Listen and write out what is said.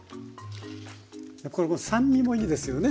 これこう酸味もいいですよね